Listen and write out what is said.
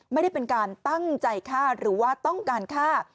ไม่ได้เป็นการตั้งใจฆ่าหรือว่าต้องการฆ่า